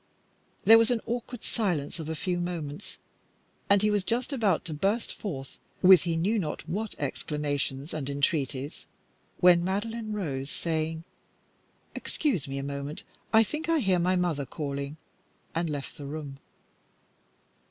There was an awkward silence of a few moments, and he was just about to burst forth with he knew not what exclamations and entreaties, when Madeline rose, saying "Excuse me a moment; I think I hear my mother calling," and left the room.